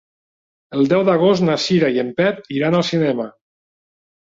El deu d'agost na Cira i en Pep iran al cinema.